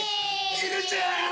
ひるちゃん！